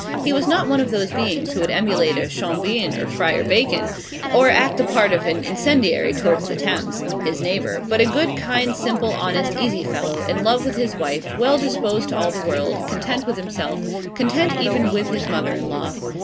He was not one of those beings who would emulate a Schonbein or Friar Bacon, or act the part of an incendiary towards the Thames, his neighbour but a good, kind, simple, honest, easy fellow in love with his wife well disposed to all the world content with himself, content even with his mother in law.